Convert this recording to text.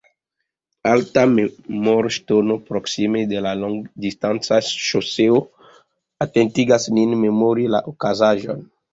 Alta memorŝtono proksime de la longdistanca ŝoseo atentigas nin memori la okazaĵon.